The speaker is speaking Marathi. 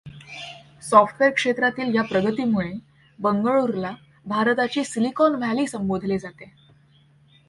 सॉफ्टवेर क्षेत्रातील या प्रगतीमुळे बंगळूरला भारताची सिलिकॉन व्हॅली संबोधले जाते.